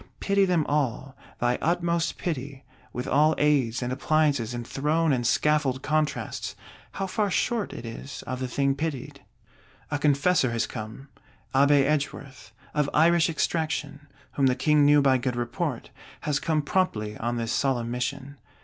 Pity them all: thy utmost pity, with all aids and appliances and throne and scaffold contrasts, how far short is it of the thing pitied! A Confessor has come; Abbé Edgeworth, of Irish extraction, whom the King knew by good report, has come promptly on this solemn mission.